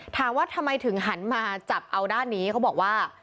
ถามว่าทำไมถึงหันมาจับเอาด้านนี้เขาบอกว่า